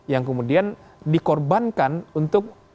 yang kemudian dikorbankan untuk